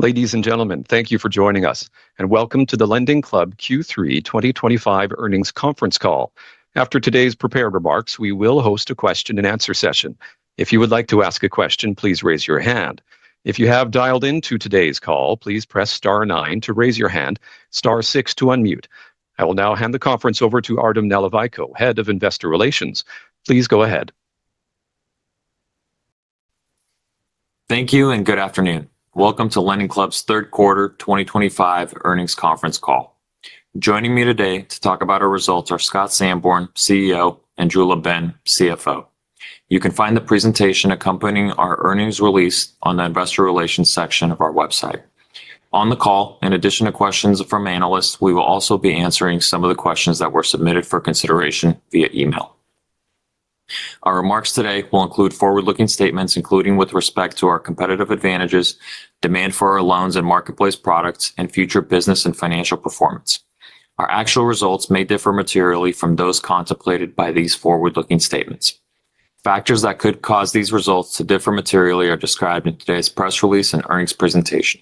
Ladies and gentlemen, thank you for joining us, and welcome to the LendingClub Q3 2025 earnings conference call. After today's prepared remarks, we will host a question-and-answer session. If you would like to ask a question, please raise your hand. If you have dialed in to today's call, please press star nine to raise your hand, star six to unmute. I will now hand the conference over to Artem Nalivayko, Head of Investor Relations. Please go ahead. Thank you, and good afternoon. Welcome to LendingClub's third quarter 2025 earnings conference call. Joining me today to talk about our results are Scott Sanborn, CEO, and Drew LaBenne, CFO. You can find the presentation accompanying our earnings release on the Investor Relations section of our website. On the call, in addition to questions from analysts, we will also be answering some of the questions that were submitted for consideration via email. Our remarks today will include forward-looking statements, including with respect to our competitive advantages, demand for our loans and marketplace products, and future business and financial performance. Our actual results may differ materially from those contemplated by these forward-looking statements. Factors that could cause these results to differ materially are described in today's press release and earnings presentation.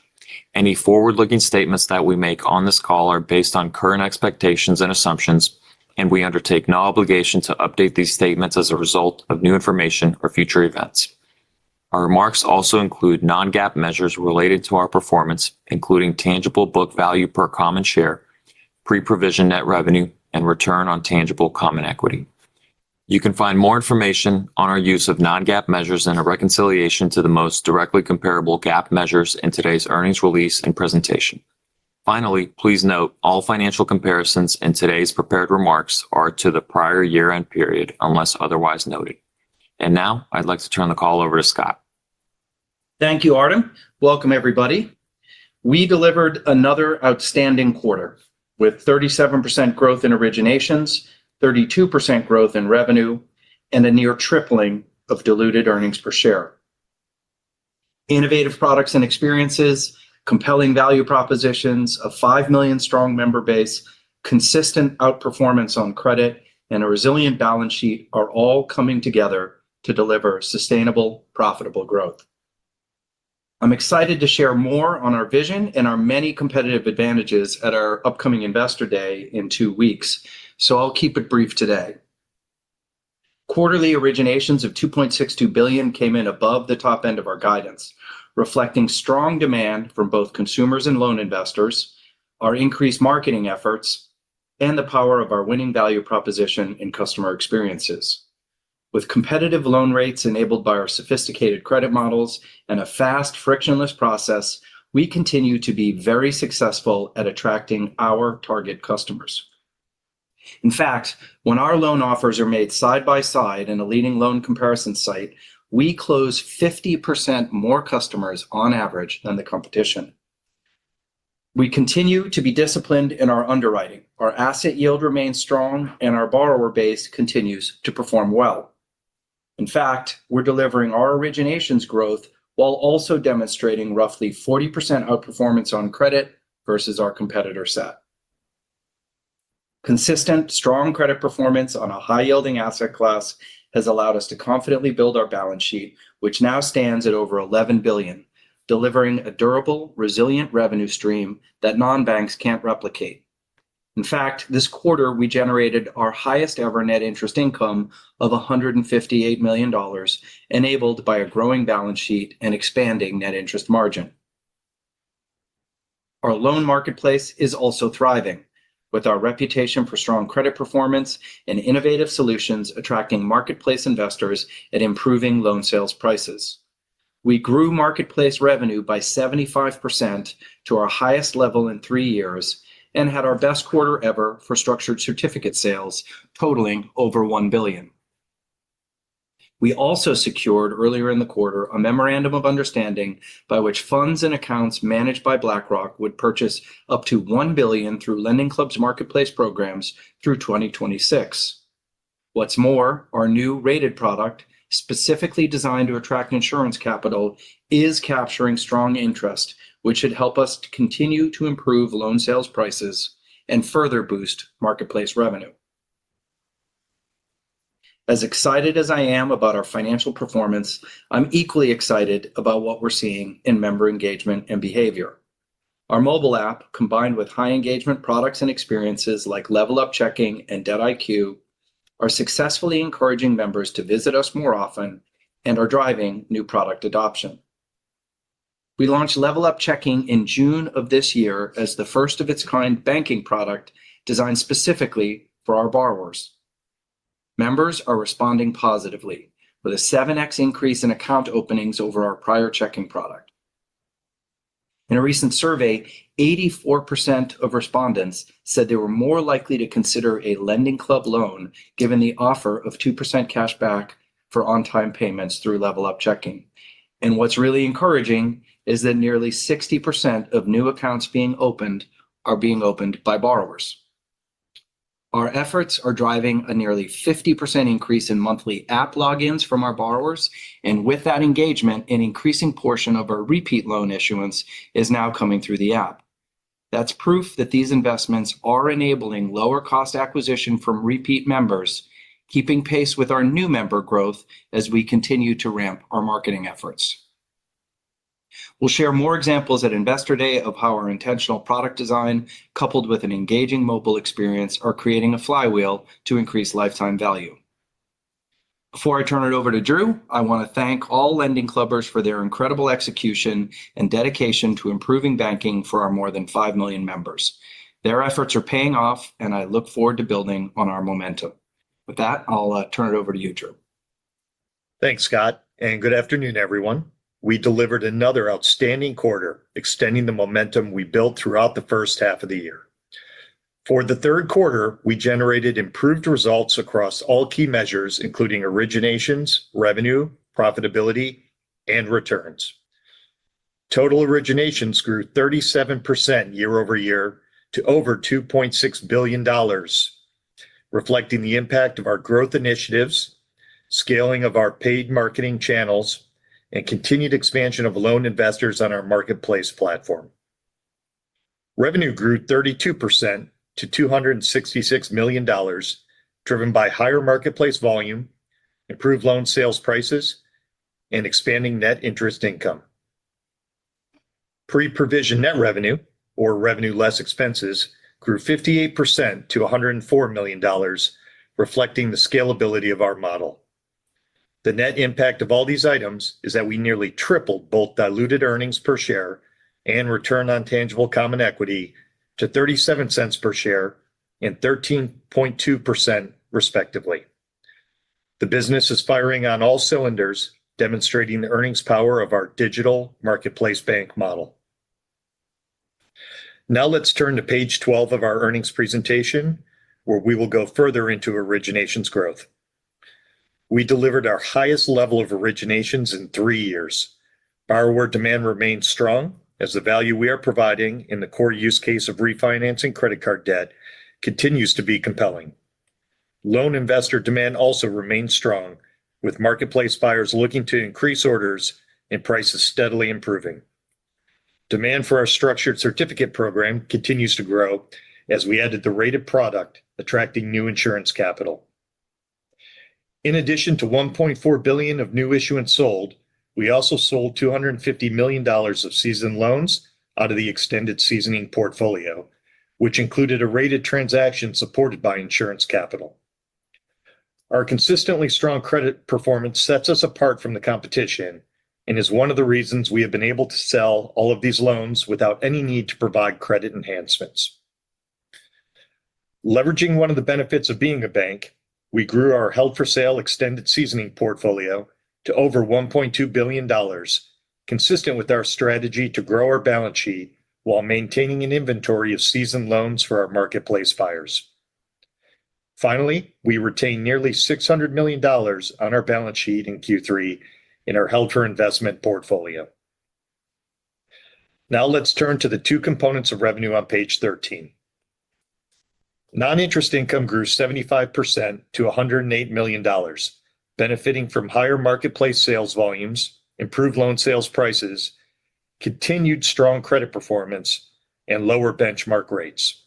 Any forward-looking statements that we make on this call are based on current expectations and assumptions, and we undertake no obligation to update these statements as a result of new information or future events. Our remarks also include non-GAAP measures related to our performance, including tangible book value per common share, pre-provision net revenue, and return on tangible common equity. You can find more information on our use of non-GAAP measures and a reconciliation to the most directly comparable GAAP measures in today's earnings release and presentation. Please note all financial comparisons in today's prepared remarks are to the prior year-end period unless otherwise noted. I'd like to turn the call over to Scott. Thank you, Artem. Welcome, everybody. We delivered another outstanding quarter with 37% growth in originations, 32% growth in revenue, and a near tripling of diluted earnings per share. Innovative products and experiences, compelling value propositions, a 5 million strong member base, consistent outperformance on credit, and a resilient balance sheet are all coming together to deliver sustainable, profitable growth. I'm excited to share more on our vision and our many competitive advantages at our upcoming Investor Day in two weeks, so I'll keep it brief today. Quarterly originations of $2.62 billion came in above the top end of our guidance, reflecting strong demand from both consumers and loan investors, our increased marketing efforts, and the power of our winning value proposition in customer experiences. With competitive loan rates enabled by our sophisticated credit models and a fast, frictionless process, we continue to be very successful at attracting our target customers. In fact, when our loan offers are made side by side in a leading loan comparison site, we close 50% more customers on average than the competition. We continue to be disciplined in our underwriting, our asset yield remains strong, and our borrower base continues to perform well. In fact, we're delivering our originations growth while also demonstrating roughly 40% outperformance on credit versus our competitor set. Consistent, strong credit performance on a high-yielding asset class has allowed us to confidently build our balance sheet, which now stands at over $11 billion, delivering a durable, resilient revenue stream that non-banks can't replicate. In fact, this quarter we generated our highest-ever net interest income of $158 million, enabled by a growing balance sheet and expanding net interest margin. Our loan marketplace is also thriving, with our reputation for strong credit performance and innovative solutions attracting marketplace investors and improving loan sales prices. We grew marketplace revenue by 75% to our highest level in three years and had our best quarter ever for structured certificate sales, totaling over $1 billion. We also secured earlier in the quarter a memorandum of understanding by which funds and accounts managed by BlackRock would purchase up to $1 billion through LendingClub's marketplace programs through 2026. What's more, our new rated product, specifically designed to attract insurance capital, is capturing strong interest, which should help us continue to improve loan sales prices and further boost marketplace revenue. As excited as I am about our financial performance, I'm equally excited about what we're seeing in member engagement and behavior. Our mobile app, combined with high-engagement products and experiences like LevelUp Checking and DebtIQ, are successfully encouraging members to visit us more often and are driving new product adoption. We launched LevelUp Checking in June of this year as the first of its kind banking product designed specifically for our borrowers. Members are responding positively, with a 7x increase in account openings over our prior checking product. In a recent survey, 84% of respondents said they were more likely to consider a LendingClub loan given the offer of 2% cashback for on-time payments through LevelUp Checking. What's really encouraging is that nearly 60% of new accounts being opened are being opened by borrowers. Our efforts are driving a nearly 50% increase in monthly app logins from our borrowers, and with that engagement, an increasing portion of our repeat loan issuance is now coming through the app. That's proof that these investments are enabling lower-cost acquisition from repeat members, keeping pace with our new member growth as we continue to ramp our marketing efforts. We'll share more examples at Investor Day of how our intentional product design, coupled with an engaging mobile experience, are creating a flywheel to increase lifetime value. Before I turn it over to Drew, I want to thank all LendingClubbers for their incredible execution and dedication to improving banking for our more than 5 million members. Their efforts are paying off, and I look forward to building on our momentum. With that, I'll turn it over to you, Drew. Thanks, Scott, and good afternoon, everyone. We delivered another outstanding quarter, extending the momentum we built throughout the first half of the year. For the third quarter, we generated improved results across all key measures, including originations, revenue, profitability, and returns. Total originations grew 37% year-over-year to over $2.6 billion, reflecting the impact of our growth initiatives, scaling of our paid marketing channels, and continued expansion of loan investors on our marketplace platform. Revenue grew 32% to $266 million, driven by higher marketplace volume, improved loan sales prices, and expanding net interest income. Pre-provision net revenue, or revenue less expenses, grew 58% to $104 million, reflecting the scalability of our model. The net impact of all these items is that we nearly tripled both diluted earnings per share and return on tangible common equity to $0.37 per share and 13.2%, respectively. The business is firing on all cylinders, demonstrating the earnings power of our digital marketplace bank model. Now let's turn to page 12 of our earnings presentation, where we will go further into originations growth. We delivered our highest level of originations in three years. Borrower demand remains strong, as the value we are providing in the core use case of refinancing credit card debt continues to be compelling. Loan investor demand also remains strong, with marketplace buyers looking to increase orders and prices steadily improving. Demand for our structured certificate program continues to grow, as we added the rated product, attracting new insurance capital. In addition to $1.4 billion of new issuance sold, we also sold $250 million of seasoned loans out of the extended seasoning portfolio, which included a rated transaction supported by insurance capital. Our consistently strong credit performance sets us apart from the competition and is one of the reasons we have been able to sell all of these loans without any need to provide credit enhancements. Leveraging one of the benefits of being a bank, we grew our held-for-sale extended seasoning portfolio to over $1.2 billion, consistent with our strategy to grow our balance sheet while maintaining an inventory of seasoned loans for our marketplace buyers. Finally, we retained nearly $600 million on our balance sheet in Q3 in our held-for-investment portfolio. Now let's turn to the two components of revenue on page 13. Non-interest income grew 75% to $108 million, benefiting from higher marketplace sales volumes, improved loan sales prices, continued strong credit performance, and lower benchmark rates.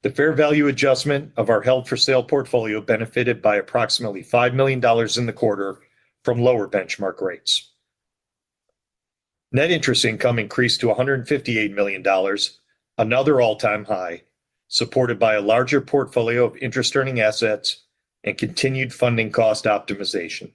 The fair value adjustment of our held-for-sale portfolio benefited by approximately $5 million in the quarter from lower benchmark rates. Net interest income increased to $158 million, another all-time high, supported by a larger portfolio of interest-earning assets and continued funding cost optimization.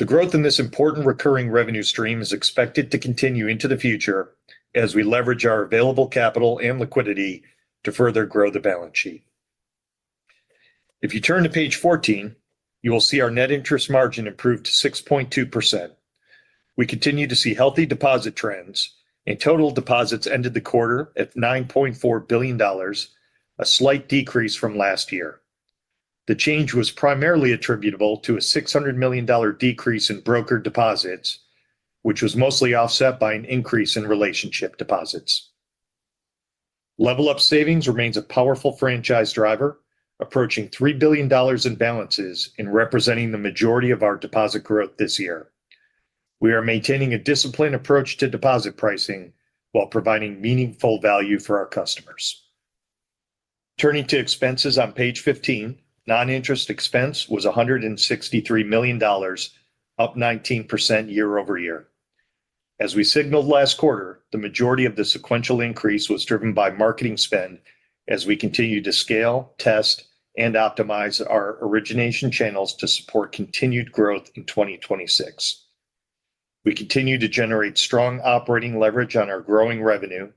The growth in this important recurring revenue stream is expected to continue into the future as we leverage our available capital and liquidity to further grow the balance sheet. If you turn to page 14, you will see our net interest margin improved to 6.2%. We continue to see healthy deposit trends, and total deposits ended the quarter at $9.4 billion, a slight decrease from last year. The change was primarily attributable to a $600 million decrease in broker deposits, which was mostly offset by an increase in relationship deposits. LevelUp Savings remains a powerful franchise driver, approaching $3 billion in balances and representing the majority of our deposit growth this year. We are maintaining a disciplined approach to deposit pricing while providing meaningful value for our customers. Turning to expenses on page 15, non-interest expense was $163 million, up 19% year-over-year. As we signaled last quarter, the majority of the sequential increase was driven by marketing spend as we continue to scale, test, and optimize our origination channels to support continued growth in 2026. We continue to generate strong operating leverage on our growing revenue,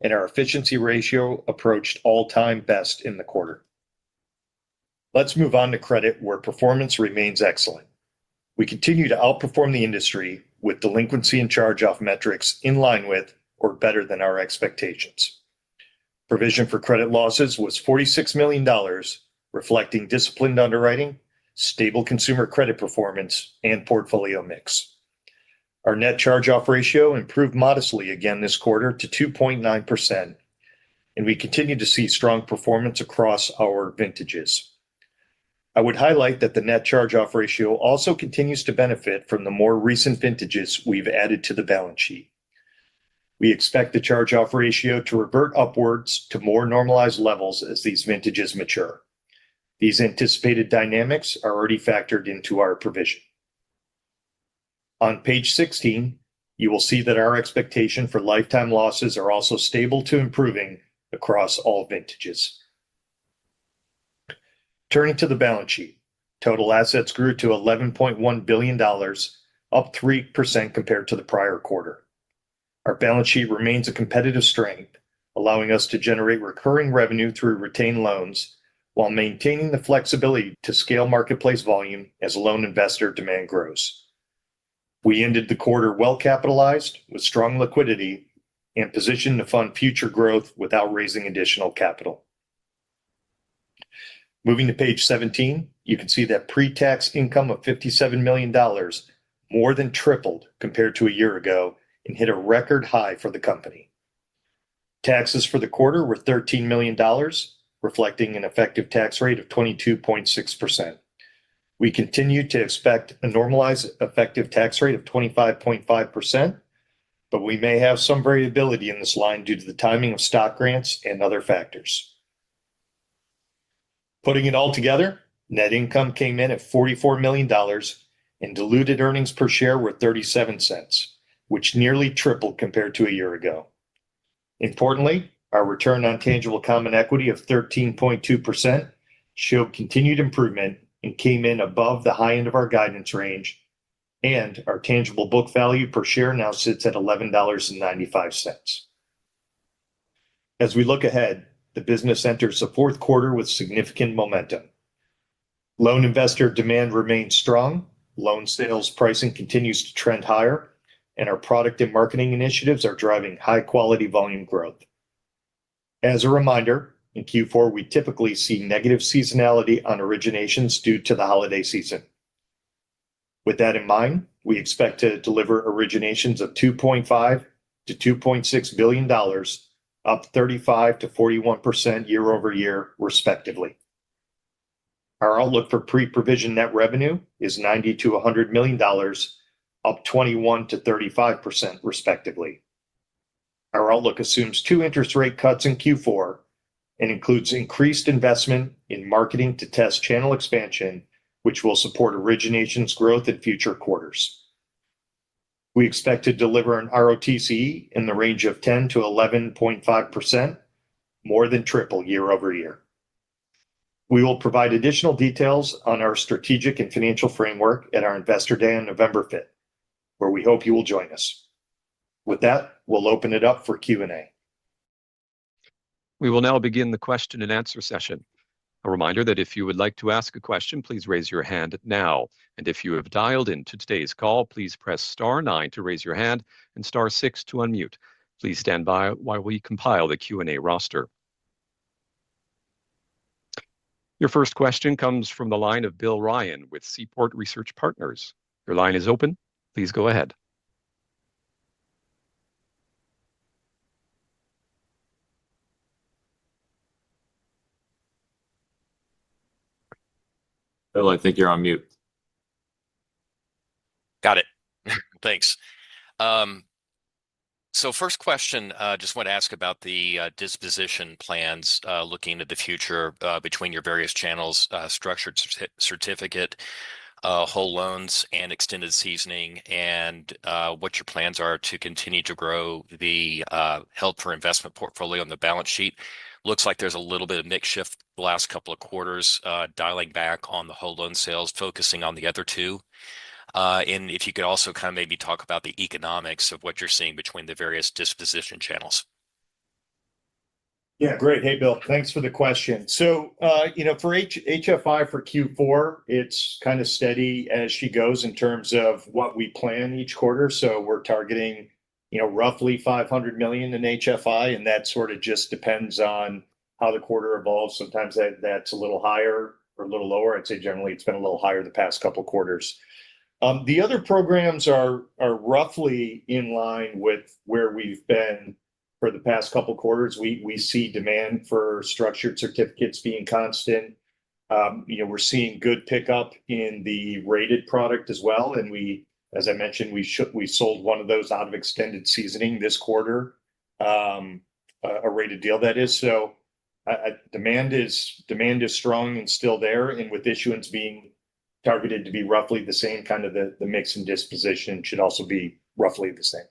and our efficiency ratio approached all-time best in the quarter. Let's move on to credit, where performance remains excellent. We continue to outperform the industry with delinquency and charge-off metrics in line with or better than our expectations. Provision for credit losses was $46 million, reflecting disciplined underwriting, stable consumer credit performance, and portfolio mix. Our net charge-off ratio improved modestly again this quarter to 2.9%, and we continue to see strong performance across our vintages. I would highlight that the net charge-off ratio also continues to benefit from the more recent vintages we've added to the balance sheet. We expect the charge-off ratio to revert upwards to more normalized levels as these vintages mature. These anticipated dynamics are already factored into our provision. On page 16, you will see that our expectation for lifetime losses are also stable to improving across all vintages. Turning to the balance sheet, total assets grew to $11.1 billion, up 3% compared to the prior quarter. Our balance sheet remains a competitive strength, allowing us to generate recurring revenue through retained loans while maintaining the flexibility to scale marketplace volume as loan investor demand grows. We ended the quarter well-capitalized with strong liquidity and positioned to fund future growth without raising additional capital. Moving to page 17, you can see that pre-tax income of $57 million more than tripled compared to a year ago and hit a record high for the company. Taxes for the quarter were $13 million, reflecting an effective tax rate of 22.6%. We continue to expect a normalized effective tax rate of 25.5%, but we may have some variability in this line due to the timing of stock grants and other factors. Putting it all together, net income came in at $44 million, and diluted earnings per share were $0.37, which nearly tripled compared to a year ago. Importantly, our return on tangible common equity of 13.2% showed continued improvement and came in above the high end of our guidance range, and our tangible book value per share now sits at $11.95. As we look ahead, the business enters the fourth quarter with significant momentum. Loan investor demand remains strong, loan sales pricing continues to trend higher, and our product and marketing initiatives are driving high-quality volume growth. As a reminder, in Q4, we typically see negative seasonality on originations due to the holiday season. With that in mind, we expect to deliver originations of $2.5 billion-$2.6 billion, up 35%-41% year-over-year, respectively. Our outlook for pre-provision net revenue is $90 million-$100 million, up 21%-35%, respectively. Our outlook assumes two interest rate cuts in Q4 and includes increased investment in marketing to test channel expansion, which will support originations growth in future quarters. We expect to deliver an ROTC in the range of 10%-11.5%, more than triple year over year. We will provide additional details on our strategic and financial framework at our Investor Day on November 5th, where we hope you will join us. With that, we'll open it up for Q&A. We will now begin the question-and-answer session. A reminder that if you would like to ask a question, please raise your hand now. If you have dialed in to today's call, please press star nine to raise your hand and star six to unmute. Please stand by while we compile the Q&A roster. Your first question comes from the line of Bill Ryan with Seaport Research Partners. Your line is open. Please go ahead. Bill, I think you're on mute. Got it. Thanks. First question, I just want to ask about the disposition plans looking into the future between your various channels, structured certificate, whole loans, and extended seasoning, and what your plans are to continue to grow the held-for-investment portfolio and the balance sheet. Looks like there's a little bit of a mixed shift the last couple of quarters, dialing back on the whole loan sales, focusing on the other two. If you could also maybe talk about the economics of what you're seeing between the various disposition channels. Yeah, great. Hey, Bill. Thanks for the question. For HFI for Q4, it's kind of steady as she goes in terms of what we plan each quarter. We're targeting roughly $500 million in HFI, and that sort of just depends on how the quarter evolves. Sometimes that's a little higher or a little lower. I'd say generally it's been a little higher the past couple of quarters. The other programs are roughly in line with where we've been for the past couple of quarters. We see demand for structured certificates being constant. We're seeing good pickup in the rated product as well. As I mentioned, we sold one of those out of extended seasoning this quarter, a rated deal, that is. Demand is strong and still there. With issuance being targeted to be roughly the same, the mix and disposition should also be roughly the same.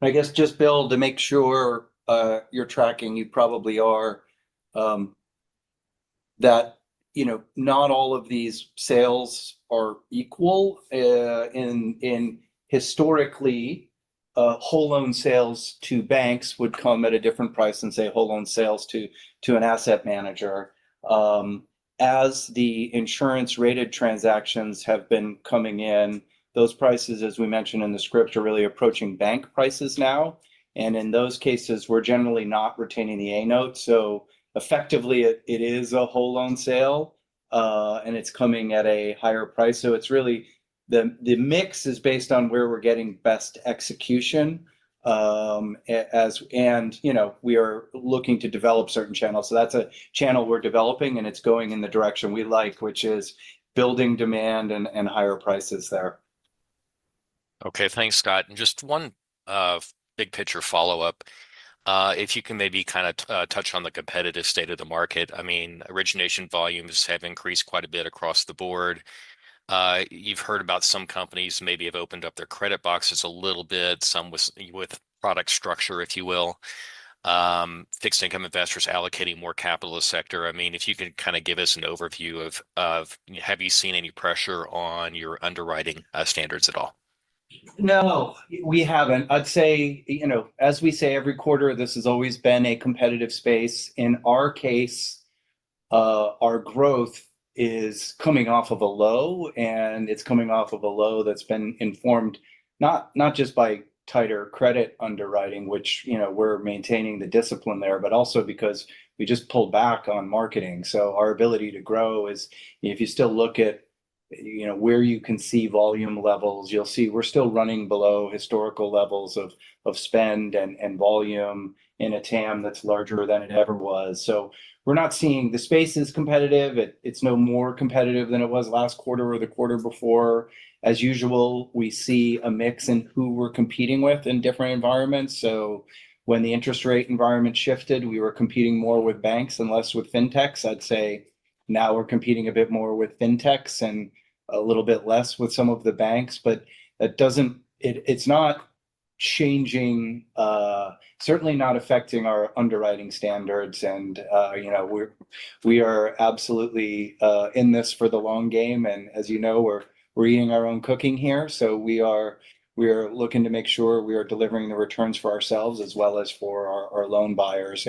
I guess just, Bill, to make sure you're tracking, you probably are that, you know, not all of these sales are equal. Historically, whole loan sales to banks would come at a different price than, say, whole loan sales to an asset manager. As the insurance-rated transactions have been coming in, those prices, as we mentioned in the script, are really approaching bank prices now. In those cases, we're generally not retaining the A note. Effectively, it is a whole loan sale, and it's coming at a higher price. It's really the mix is based on where we're getting best execution. We are looking to develop certain channels. That's a channel we're developing, and it's going in the direction we like, which is building demand and higher prices there. OK, thanks, Scott. Just one big-picture follow-up. If you can maybe kind of touch on the competitive state of the market, origination volumes have increased quite a bit across the board. You've heard about some companies maybe have opened up their credit boxes a little bit, some with product structure, if you will, fixed-income investors allocating more capital to the sector. If you could kind of give us an overview of, have you seen any pressure on your underwriting standards at all? No, we haven't. I'd say, you know, as we say every quarter, this has always been a competitive space. In our case, our growth is coming off of a low, and it's coming off of a low that's been informed not just by tighter credit underwriting, which, you know, we're maintaining the discipline there, but also because we just pulled back on marketing. Our ability to grow is, if you still look at, you know, where you can see volume levels, you'll see we're still running below historical levels of spend and volume in a TAM that's larger than it ever was. We're not seeing the space is competitive. It's no more competitive than it was last quarter or the quarter before. As usual, we see a mix in who we're competing with in different environments. When the interest rate environment shifted, we were competing more with banks and less with fintechs. I'd say now we're competing a bit more with fintechs and a little bit less with some of the banks. It doesn't, it's not changing, certainly not affecting our underwriting standards. You know, we are absolutely in this for the long game. As you know, we're eating our own cooking here. We are looking to make sure we are delivering the returns for ourselves as well as for our loan buyers.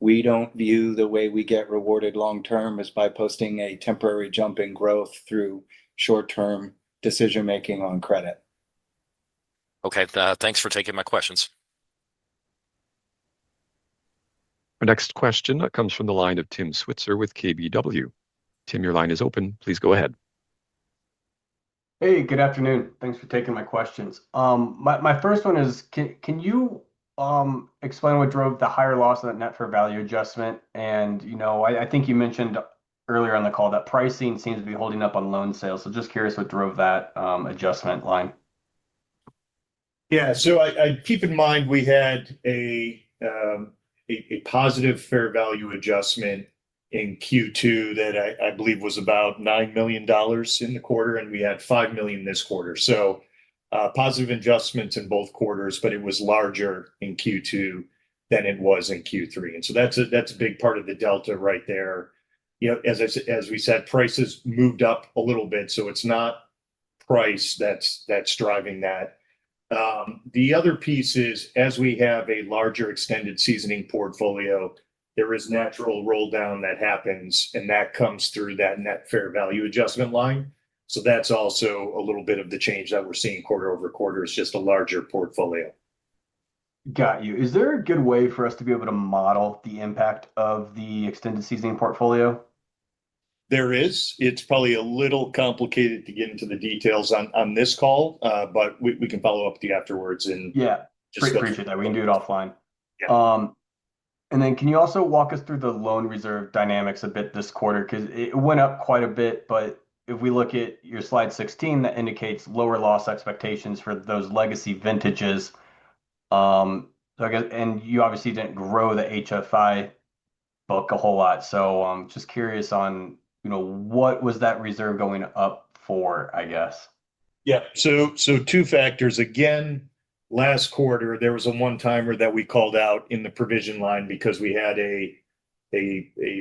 We don't view the way we get rewarded long-term as by posting a temporary jump in growth through short-term decision-making on credit. OK, thanks for taking my questions. Our next question comes from the line of Tim Switzer with KBW. Tim, your line is open. Please go ahead. Hey, good afternoon. Thanks for taking my questions. My first one is, can you explain what drove the higher loss of that net fair value adjustment? I think you mentioned earlier on the call that pricing seems to be holding up on loan sales. Just curious what drove that adjustment line. Yeah, keep in mind we had a positive fair value adjustment in Q2 that I believe was about $9 million in the quarter, and we had $5 million this quarter. Positive adjustments in both quarters, but it was larger in Q2 than it was in Q3. That's a big part of the delta right there. As we said, prices moved up a little bit, so it's not price that's driving that. The other piece is, as we have a larger extended seasoning portfolio, there is natural roll-down that happens, and that comes through that net fair value adjustment line. That's also a little bit of the change that we're seeing quarter-over-quarter. It's just a larger portfolio. Got you. Is there a good way for us to be able to model the impact of the extended seasoning portfolio? There is. It's probably a little complicated to get into the details on this call, but we can follow up with you afterwards. Yeah, great for you to know. We can do it offline. Yeah. Can you also walk us through the loan reserve dynamics a bit this quarter? It went up quite a bit, but if we look at your slide 16, that indicates lower loss expectations for those legacy vintages. You obviously didn't grow the held-for-investment book a whole lot. Just curious on what was that reserve going up for, I guess? Yeah, so two factors. Last quarter, there was a one-timer that we called out in the provision line because we had a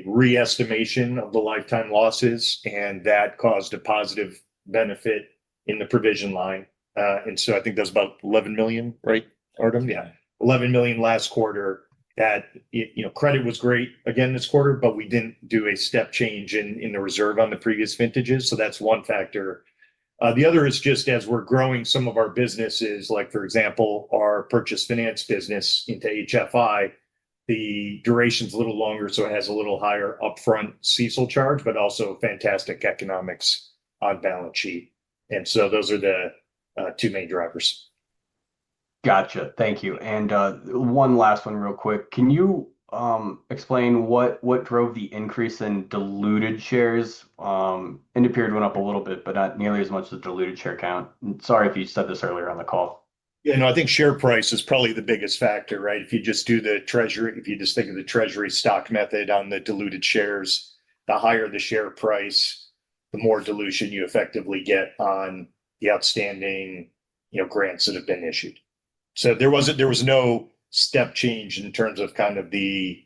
re-estimation of the lifetime losses, and that caused a positive benefit in the provision line. I think that was about $11 million, right, Artem? Yeah, $11 million last quarter. Credit was great again this quarter, but we didn't do a step change in the reserve on the previous vintages. That's one factor. The other is just as we're growing some of our businesses, like, for example, our purchase finance business into HFI, the duration is a little longer, so it has a little higher upfront CECL charge, but also fantastic economics on balance sheet. Those are the two main drivers. Gotcha. Thank you. One last one real quick. Can you explain what drove the increase in diluted shares? End of period went up a little bit, but not nearly as much as the diluted share count. Sorry if you said this earlier on the call. Yeah, no, I think share price is probably the biggest factor, right? If you just do the treasury, if you just think of the treasury stock method on the diluted shares, the higher the share price, the more dilution you effectively get on the outstanding grants that have been issued. There was no step change in terms of the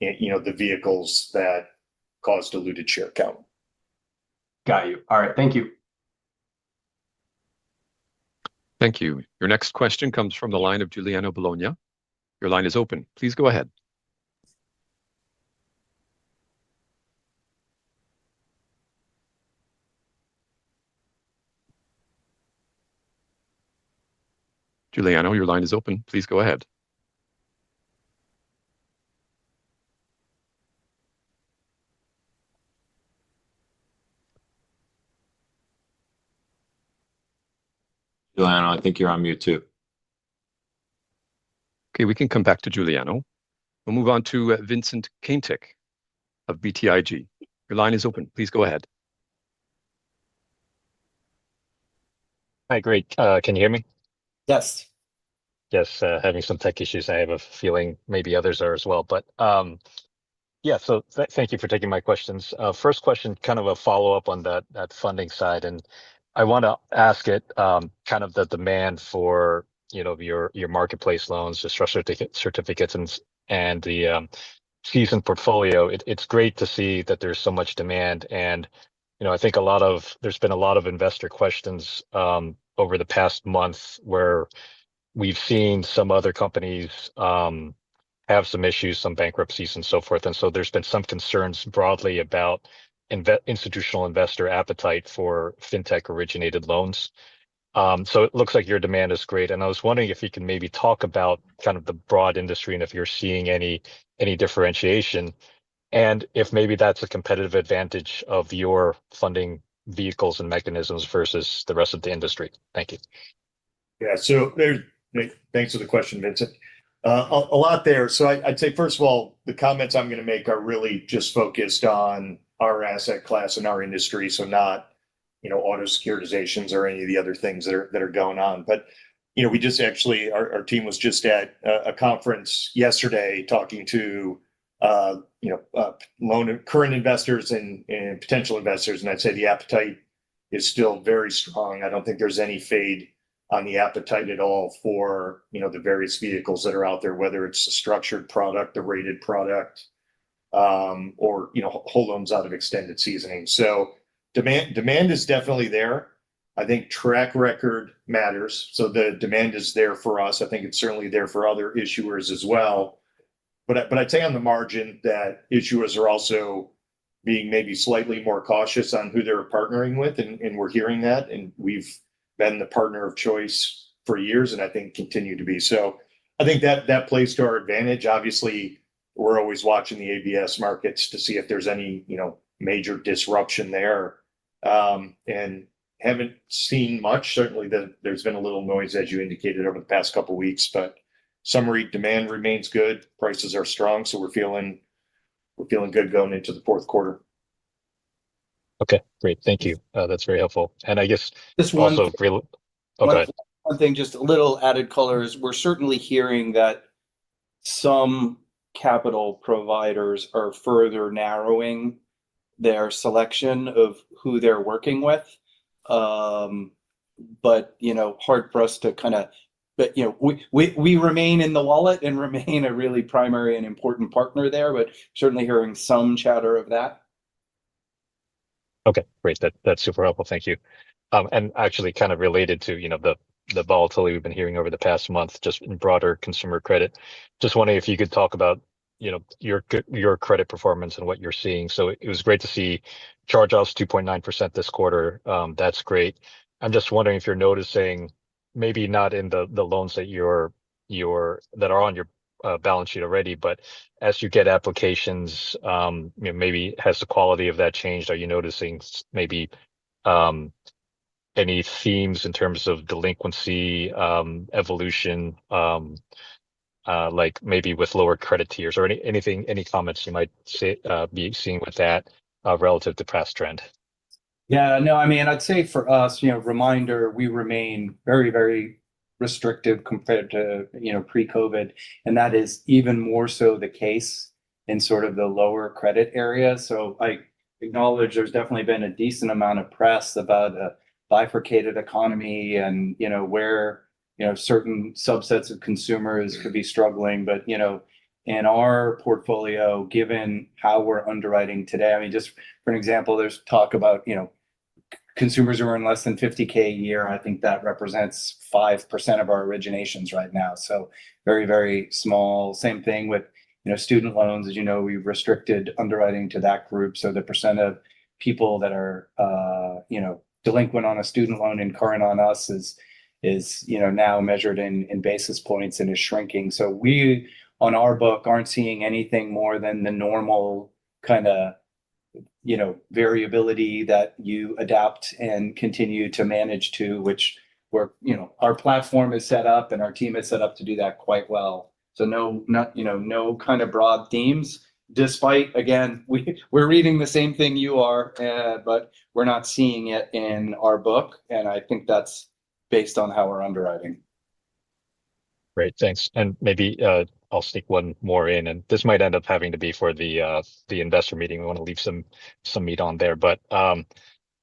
vehicles that caused diluted share count. Got you. All right, thank you. Thank you. Your next question comes from the line of Giuliano Bologna. Your line is open. Please go ahead. Giuliano, your line is open. Please go ahead. Giuliano, I think you're on mute too. OK, we can come back to Giuliano. We'll move on to Vincent Caintic of BTIG. Your line is open. Please go ahead. Hi, great. Can you hear me? Yes. Yes, having some tech issues. I have a feeling maybe others are as well. Thank you for taking my questions. First question, kind of a follow-up on that funding side. I want to ask about the demand for your marketplace loans, your structured certificates, and the seasoned portfolio. It's great to see that there's so much demand. I think there's been a lot of investor questions over the past month where we've seen some other companies have some issues, some bankruptcies, and so forth. There's been some concerns broadly about institutional investor appetite for fintech-originated loans. It looks like your demand is great. I was wondering if you can maybe talk about the broad industry and if you're seeing any differentiation and if maybe that's a competitive advantage of your funding vehicles and mechanisms versus the rest of the industry. Thank you. Yeah, thanks for the question, Vincent. A lot there. I'd say, first of all, the comments I'm going to make are really just focused on our asset class and our industry, not, you know, auto securitizations or any of the other things that are going on. Our team was just at a conference yesterday talking to loan current investors and potential investors. I'd say the appetite is still very strong. I don't think there's any fade on the appetite at all for the various vehicles that are out there, whether it's a structured product, a rated product, or whole loans out of extended seasoning. Demand is definitely there. I think track record matters. The demand is there for us. I think it's certainly there for other issuers as well. On the margin, issuers are also being maybe slightly more cautious on who they're partnering with. We're hearing that. We've been the partner of choice for years and I think continue to be. I think that plays to our advantage. Obviously, we're always watching the ABS markets to see if there's any major disruption there. Haven't seen much. Certainly, there's been a little noise, as you indicated, over the past couple of weeks. In summary, demand remains good. Prices are strong. We're feeling good going into the fourth quarter. OK, great. Thank you. That's very helpful. I guess. This one. Great, go ahead. One thing, just a little added color is we're certainly hearing that some capital providers are further narrowing their selection of who they're working with. We remain in the wallet and remain a really primary and important partner there, but certainly hearing some chatter of that. OK, great. That's super helpful. Thank you. Actually, kind of related to the volatility we've been hearing over the past month just in broader consumer credit, just wondering if you could talk about your credit performance and what you're seeing. It was great to see charge-offs at 2.9% this quarter. That's great. I'm just wondering if you're noticing, maybe not in the loans that are on your balance sheet already, but as you get applications, maybe has the quality of that changed? Are you noticing any themes in terms of delinquency evolution, like maybe with lower credit tiers or anything, any comments you might be seeing with that relative to past trend? Yeah, no, I'd say for us, reminder, we remain very, very restrictive compared to pre-COVID. That is even more so the case in the lower credit area. I acknowledge there's definitely been a decent amount of press about a bifurcated economy and where certain subsets of consumers could be struggling. In our portfolio, given how we're underwriting today, just for an example, there's talk about consumers who earn less than $50,000 a year. I think that represents 5% of our originations right now, so very, very small. Same thing with student loans. As you know, we've restricted underwriting to that group, so the percentage of people that are delinquent on a student loan incurring on us is now measured in basis points and is shrinking. On our book, we aren't seeing anything more than the normal kind of variability that you adapt and continue to manage to, which our platform is set up and our team is set up to do that quite well. No kind of broad themes, despite, again, we're reading the same thing you are, but we're not seeing it in our book. I think that's based on how we're underwriting. Great, thanks. Maybe I'll sneak one more in. This might end up having to be for the investor meeting. We want to leave some meat on there.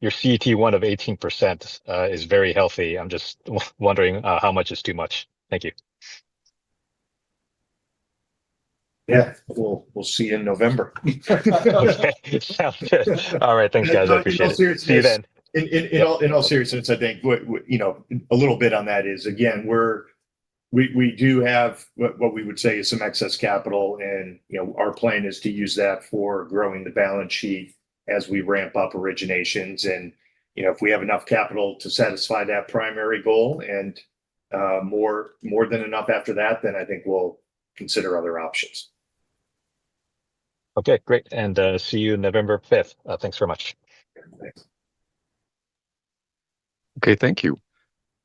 Your CET1 of 18% is very healthy. I'm just wondering how much is too much. Thank you. Yeah, we'll see you in November. Sounds good. All right, thanks, guys. I appreciate it. See you then. In all seriousness, I think a little bit on that is, again, we do have what we would say is some excess capital. Our plan is to use that for growing the balance sheet as we ramp up originations. If we have enough capital to satisfy that primary goal and more than enough after that, then I think we'll consider other options. OK, great. See you on November 5th. Thanks very much. Thanks. OK, thank you.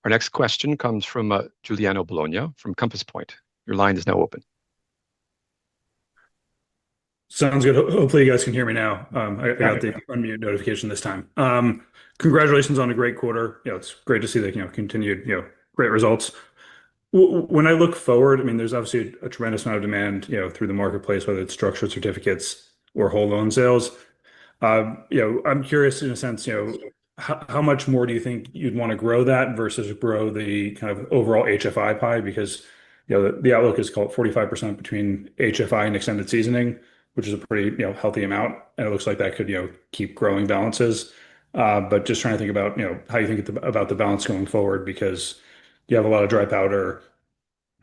Our next question comes from Giuliano Bologna from Compass Point. Your line is now open. Sounds good. Hopefully, you guys can hear me now. I got the unmute notification this time. Congratulations on a great quarter. It's great to see the continued great results. When I look forward, there's obviously a tremendous amount of demand through the marketplace, whether it's structured certificates or whole loan sales. I'm curious, in a sense, how much more do you think you'd want to grow that versus grow the kind of overall HFI pie? The outlook is called 45% between HFI and extended seasoning, which is a pretty healthy amount. It looks like that could keep growing balances. Just trying to think about how you think about the balance going forward because you have a lot of dry powder,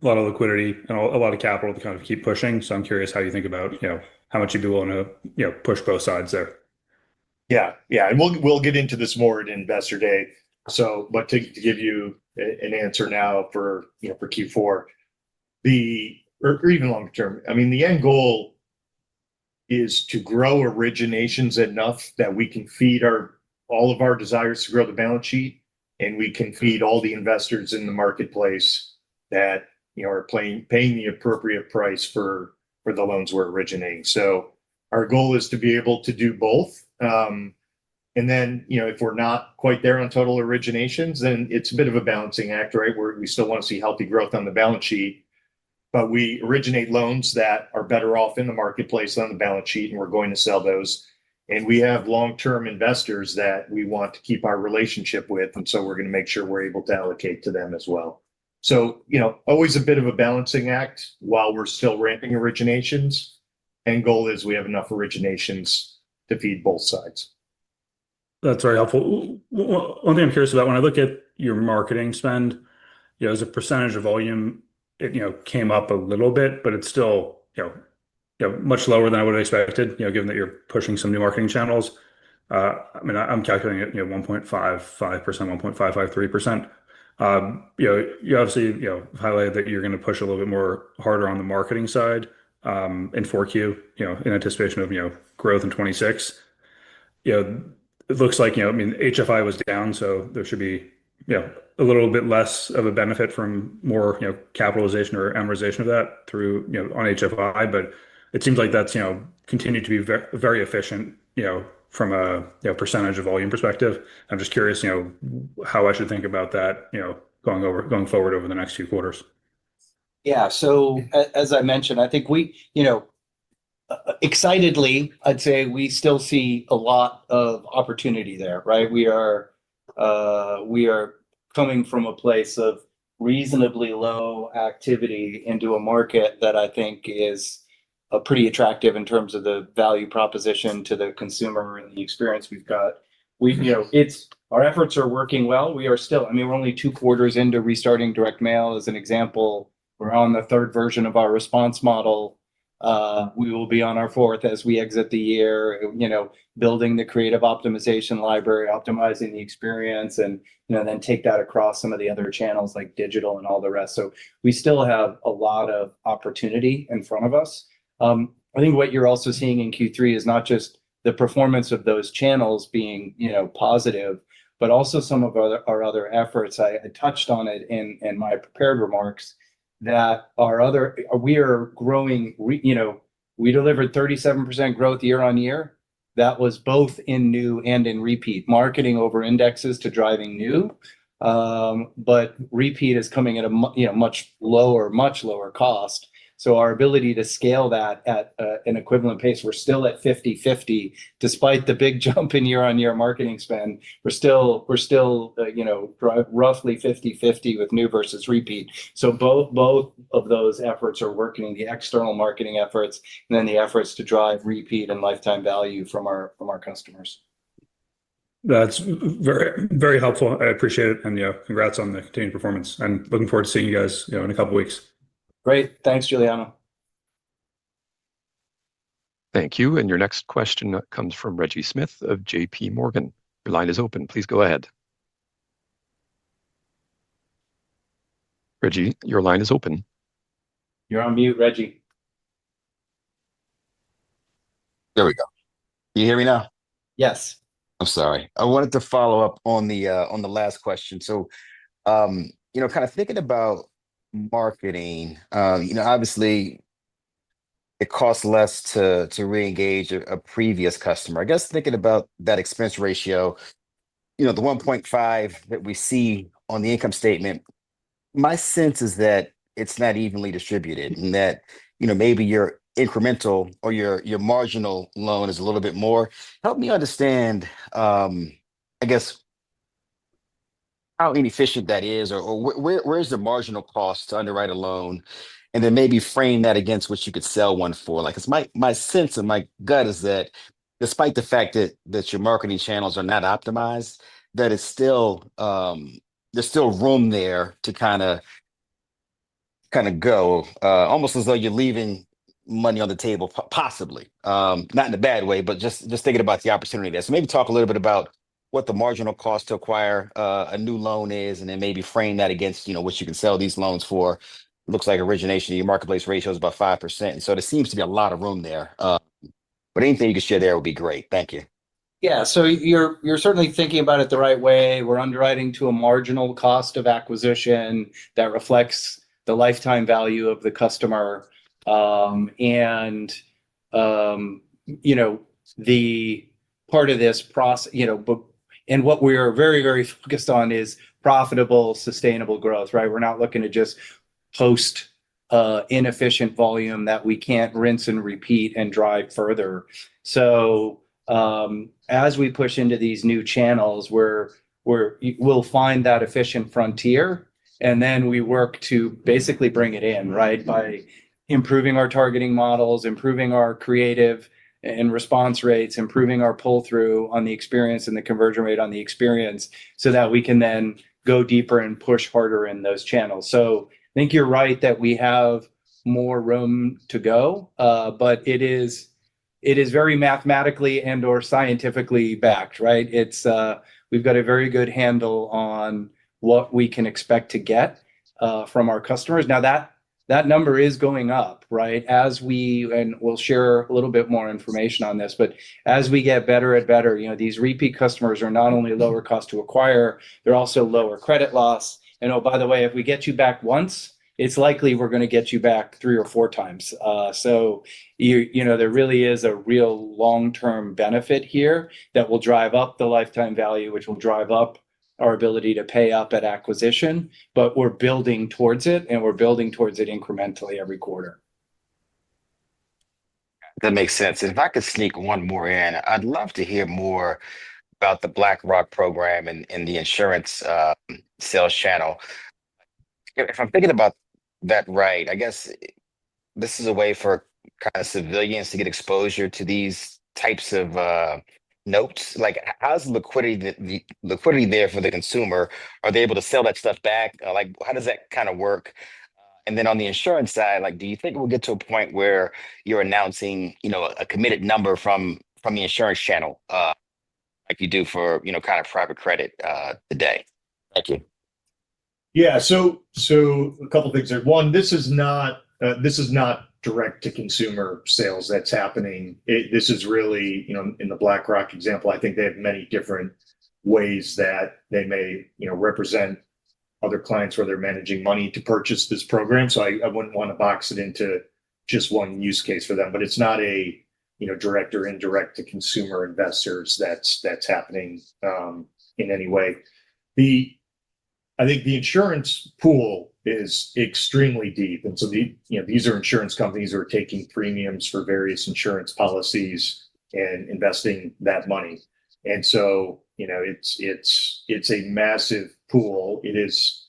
a lot of liquidity, and a lot of capital to kind of keep pushing. I'm curious how you think about how much you'd be willing to push both sides there. Yeah, yeah. We'll get into this more at Investor Day, but to give you an answer now for, you know, for Q4 or even longer term, the end goal is to grow originations enough that we can feed all of our desires to grow the balance sheet and we can feed all the investors in the marketplace that, you know, are paying the appropriate price for the loans we're originating. Our goal is to be able to do both. If we're not quite there on total originations, then it's a bit of a balancing act, right? We still want to see healthy growth on the balance sheet. We originate loans that are better off in the marketplace than on the balance sheet, and we're going to sell those. We have long-term investors that we want to keep our relationship with, and we're going to make sure we're able to allocate to them as well. Always a bit of a balancing act while we're still ramping originations. End goal is we have enough originations to feed both sides. That's very helpful. One thing I'm curious about, when I look at your marketing spend as a percentage of volume, it came up a little bit, but it's still much lower than I would have expected, given that you're pushing some new marketing channels. I'm calculating it, 1.55%, 1.553%. You obviously highlighted that you're going to push a little bit more harder on the marketing side in 4Q in anticipation of growth in 2026. It looks like HFI was down, so there should be a little bit less of a benefit from more capitalization or amortization of that through on HFI. It seems like that's continued to be very efficient from a percentage of volume perspective. I'm just curious how I should think about that going forward over the next few quarters. Yeah, as I mentioned, I think we, you know, excitedly, I'd say we still see a lot of opportunity there, right? We are coming from a place of reasonably low activity into a market that I think is pretty attractive in terms of the value proposition to the consumer and the experience we've got. Our efforts are working well. We are still, I mean, we're only two quarters into restarting direct mail as an example. We're on the third version of our response model. We will be on our fourth as we exit the year, building the creative optimization library, optimizing the experience, and then take that across some of the other channels like digital and all the rest. We still have a lot of opportunity in front of us. I think what you're also seeing in Q3 is not just the performance of those channels being positive, but also some of our other efforts. I touched on it in my prepared remarks that our other, we are growing, you know, we delivered 37% growth year on year. That was both in new and in repeat, marketing over indexes to driving new. Repeat is coming at a much lower, much lower cost. Our ability to scale that at an equivalent pace, we're still at 50/50, despite the big jump in year-on-year marketing spend. We're still, you know, roughly 50/50 with new versus repeat. Both of those efforts are working, the external marketing efforts, and the efforts to drive repeat and lifetime value from our customers. That's very, very helpful. I appreciate it. Congrats on the continued performance. I'm looking forward to seeing you guys in a couple of weeks. Great. Thanks, Giuliano. Thank you. Your next question comes from Reggie Smith of JPMorgan. Your line is open. Please go ahead. Reggie, your line is open. You're on mute, Reggie. There we go. Can you hear me now? Yes. I'm sorry. I wanted to follow up on the last question. Kind of thinking about marketing, obviously, it costs less to re-engage a previous customer. I guess thinking about that expense ratio, the 1.5% that we see on the income statement, my sense is that it's not evenly distributed and that maybe your incremental or your marginal loan is a little bit more. Help me understand how inefficient that is or where is the marginal cost to underwrite a loan and then maybe frame that against what you could sell one for. It's my sense and my gut is that despite the fact that your marketing channels are not optimized, there's still room there to kind of go, almost as though you're leaving money on the table, possibly. Not in a bad way, but just thinking about the opportunity there. Maybe talk a little bit about what the marginal cost to acquire a new loan is and then maybe frame that against what you can sell these loans for. It looks like origination of your marketplace ratio is about 5%. There seems to be a lot of room there. Anything you could share there would be great. Thank you. Yeah, you're certainly thinking about it the right way. We're underwriting to a marginal cost of acquisition that reflects the lifetime value of the customer. The part of this process, and what we are very, very focused on, is profitable, sustainable growth, right? We're not looking to just post inefficient volume that we can't rinse and repeat and drive further. As we push into these new channels, we'll find that efficient frontier. We work to basically bring it in by improving our targeting models, improving our creative and response rates, improving our pull-through on the experience, and the conversion rate on the experience so that we can then go deeper and push harder in those channels. I think you're right that we have more room to go, but it is very mathematically and/or scientifically backed, right? We've got a very good handle on what we can expect to get from our customers. That number is going up, right? As we, and we'll share a little bit more information on this, but as we get better and better, these repeat customers are not only lower cost to acquire, they're also lower credit loss. Oh, by the way, if we get you back once, it's likely we're going to get you back three or four times. There really is a real long-term benefit here that will drive up the lifetime value, which will drive up our ability to pay up at acquisition. We're building towards it, and we're building towards it incrementally every quarter. That makes sense. If I could sneak one more in, I'd love to hear more about the BlackRock program and the insurance sales channel. If I'm thinking about that right, I guess this is a way for kind of civilians to get exposure to these types of notes. How's the liquidity there for the consumer? Are they able to sell that stuff back? How does that kind of work? On the insurance side, do you think we'll get to a point where you're announcing a committed number from the insurance channel like you do for private credit today? Yeah, so a couple of things there. One, this is not direct to consumer sales that's happening. This is really, you know, in the BlackRock example, I think they have many different ways that they may represent other clients where they're managing money to purchase this program. I wouldn't want to box it into just one use case for them. It's not a direct or indirect to consumer investors that's happening in any way. I think the insurance pool is extremely deep. These are insurance companies who are taking premiums for various insurance policies and investing that money. It's a massive pool. As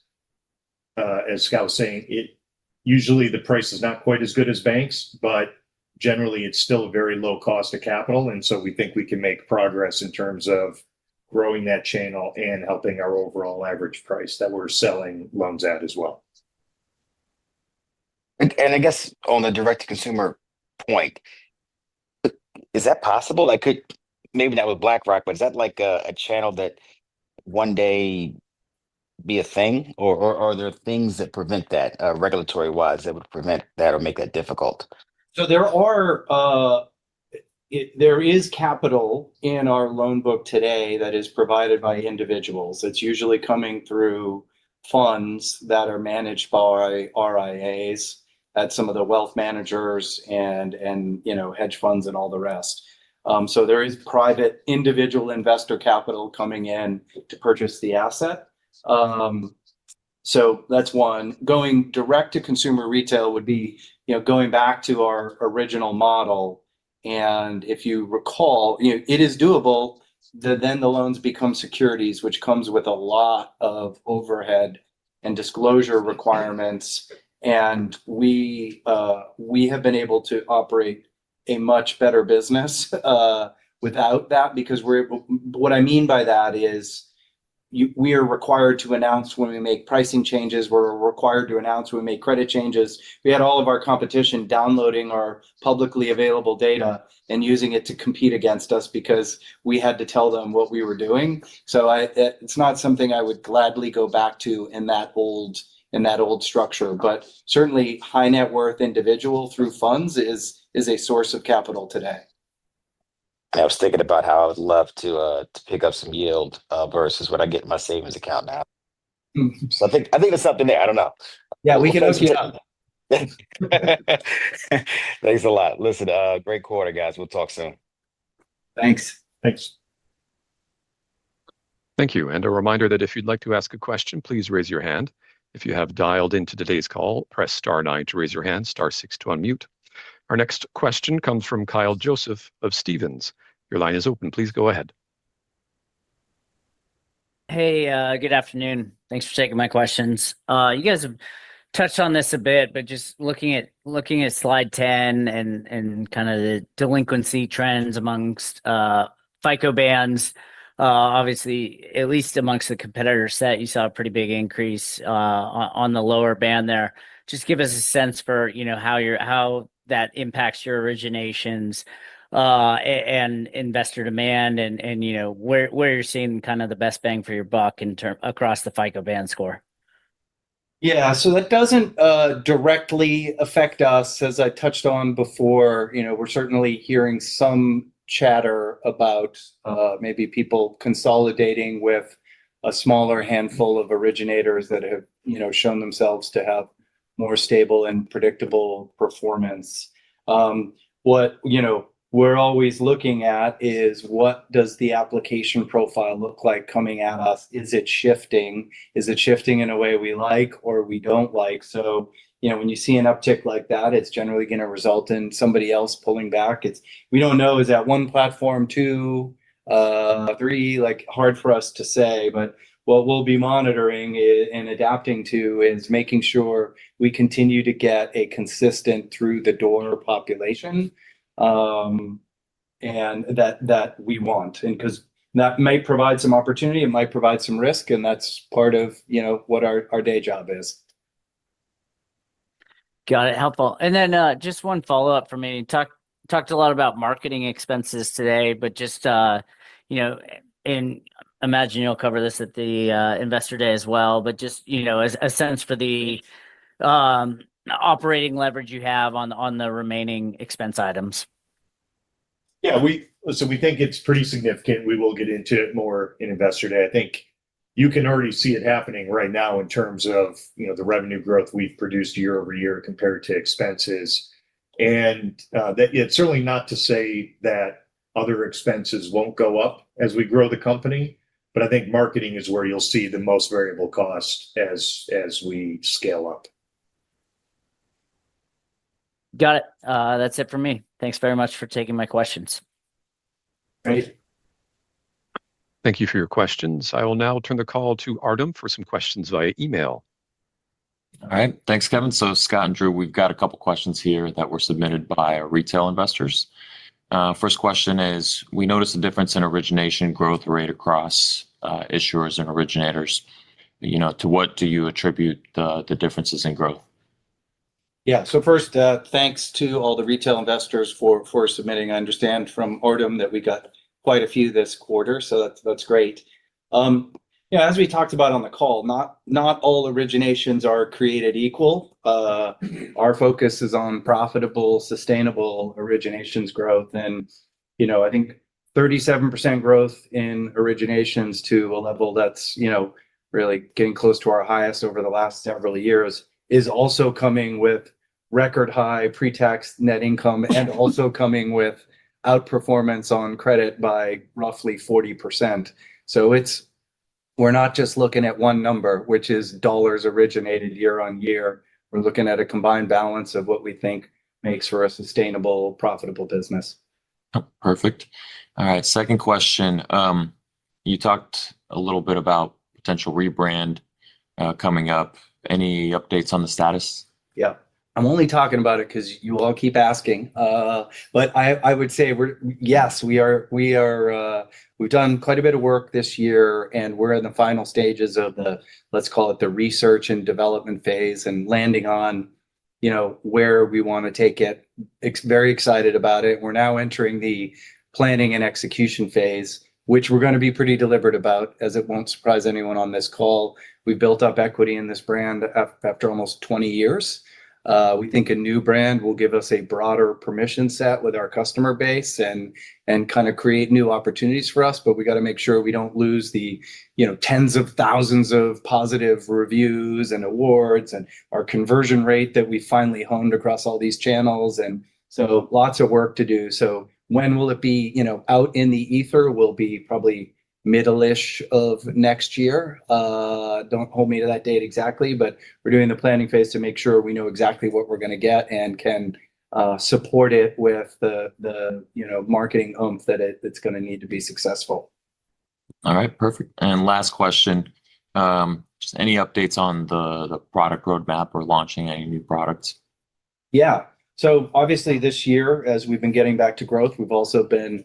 Scott was saying, usually the price is not quite as good as banks, but generally, it's still a very low cost of capital. We think we can make progress in terms of growing that channel and helping our overall average price that we're selling loans at as well. On the direct-to-consumer point, is that possible? Maybe not with BlackRock, but is that a channel that one day could be a thing? Are there things that prevent that regulatory-wise that would prevent that or make that difficult? There is capital in our loan book today that is provided by individuals. It's usually coming through funds that are managed by RIAs, that's some of the wealth managers and, you know, hedge funds and all the rest. There is private individual investor capital coming in to purchase the asset. That's one. Going direct to consumer retail would be, you know, going back to our original model. If you recall, you know, it is doable. The loans become securities, which comes with a lot of overhead and disclosure requirements. We have been able to operate a much better business without that because what I mean by that is we are required to announce when we make pricing changes. We're required to announce when we make credit changes. We had all of our competition downloading our publicly available data and using it to compete against us because we had to tell them what we were doing. It's not something I would gladly go back to in that old structure. Certainly, high net worth individual through funds is a source of capital today. I was thinking about how I'd love to pick up some yield versus what I get in my savings account now. I think that's something there. I don't know. Yeah, we can update you on that. Thanks a lot. Great quarter, guys. We'll talk soon. Thanks. Thanks. Thank you. A reminder that if you'd like to ask a question, please raise your hand. If you have dialed into today's call, press star nine to raise your hand, star six to unmute. Our next question comes from Kyle Joseph of Stephens. Your line is open. Please go ahead. Hey, good afternoon. Thanks for taking my questions. You guys have touched on this a bit, but just looking at slide 10 and kind of the delinquency trends amongst FICO bands, obviously, at least amongst the competitor set, you saw a pretty big increase on the lower band there. Just give us a sense for how that impacts your originations and investor demand, and where you're seeing kind of the best bang for your buck in terms across the FICO band score. Yeah, so that doesn't directly affect us. As I touched on before, we're certainly hearing some chatter about maybe people consolidating with a smaller handful of originators that have shown themselves to have more stable and predictable performance. What we're always looking at is what does the application profile look like coming at us? Is it shifting? Is it shifting in a way we like or we don't like? When you see an uptick like that, it's generally going to result in somebody else pulling back. We don't know. Is that one platform, two, three? Hard for us to say. What we'll be monitoring and adapting to is making sure we continue to get a consistent through-the-door population that we want. That may provide some opportunity. It might provide some risk. That's part of what our day job is. Got it. Helpful. Just one follow-up for me. We talked a lot about marketing expenses today, but just, you know, I imagine you'll cover this at the Investor Day as well, but just, you know, a sense for the operating leverage you have on the remaining expense items. Yeah, we think it's pretty significant. We will get into it more in Investor Day. I think you can already see it happening right now in terms of the revenue growth we've produced year-over-year compared to expenses. It's certainly not to say that other expenses won't go up as we grow the company. I think marketing is where you'll see the most variable cost as we scale up. Got it. That's it for me. Thanks very much for taking my questions. Great. Thank you for your questions. I will now turn the call to Artem for some questions via email. All right. Thanks, Kevin. Scott and Drew, we've got a couple of questions here that were submitted by our retail investors. First question is, we noticed a difference in origination growth rate across issuers and originators. To what do you attribute the differences in growth? Yeah, first, thanks to all the retail investors for submitting. I understand from Artem that we got quite a few this quarter. That's great. As we talked about on the call, not all originations are created equal. Our focus is on profitable, sustainable originations growth. I think 37% growth in originations to a level that's really getting close to our highest over the last several years is also coming with record high pretax net income and also coming with outperformance on credit by roughly 40%. We're not just looking at one number, which is dollars originated year on year. We're looking at a combined balance of what we think makes for a sustainable, profitable business. Perfect. All right. Second question, you talked a little bit about potential rebrand coming up. Any updates on the status? I'm only talking about it because you all keep asking. I would say, yes, we are, we've done quite a bit of work this year. We're in the final stages of the, let's call it, the research and development phase and landing on where we want to take it. Very excited about it. We're now entering the planning and execution phase, which we're going to be pretty deliberate about, as it won't surprise anyone on this call. We built up equity in this brand after almost 20 years. We think a new brand will give us a broader permission set with our customer base and kind of create new opportunities for us. We have to make sure we don't lose the tens of thousands of positive reviews and awards and our conversion rate that we finally honed across all these channels. Lots of work to do. When will it be out in the ether? We'll be probably middle-ish of next year. Don't hold me to that date exactly. We're doing the planning phase to make sure we know exactly what we're going to get and can support it with the marketing oomph that it's going to need to be successful. All right, perfect. Last question. Just any updates on the product roadmap or launching any new products? Yeah, so obviously this year, as we've been getting back to growth, we've also been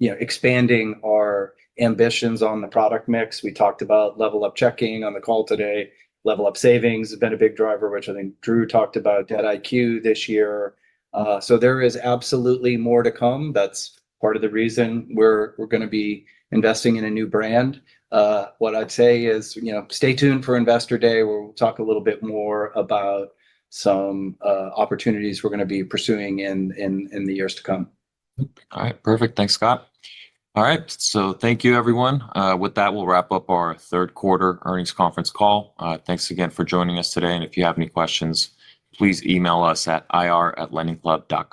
expanding our ambitions on the product mix. We talked about LevelUp Checking on the call today. LevelUp Savings has been a big driver, which I think Drew talked about, DebtIQ this year. There is absolutely more to come. That's part of the reason we're going to be investing in a new brand. What I'd say is, stay tuned for Investor Day. We'll talk a little bit more about some opportunities we're going to be pursuing in the years to come. All right, perfect. Thanks, Scott. All right, thank you, everyone. With that, we'll wrap up our third quarter earnings conference call. Thanks again for joining us today. If you have any questions, please email us at ir@lendingclub.com.